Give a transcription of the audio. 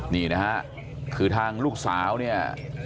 นี่นะฮะคือทางลูกสาวเนี่ย